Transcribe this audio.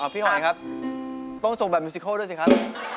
พี่หอยครับต้องโจทย์แบบมิวซิเคิลด้วยสิครับ